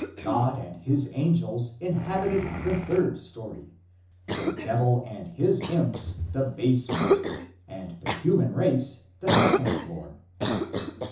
God and his angels inhabited the third story, the Devil and his imps the basement, and the human race the second floor.